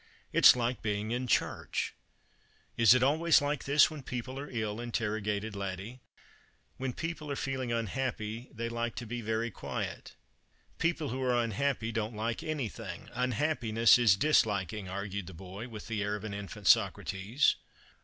It's like being in church. Is it always like this when people are ill ?" interrogated Laddie. "When people are feeling unhappy they like to be very quiet." 234 The Christmas Hirelings. " People who are unhappy don't like anything. Un happiness is disliking," argued the boy, with the air of an infant Socrates.